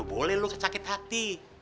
boleh lu sakit hati